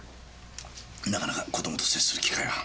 なかなか子供と接する機会が。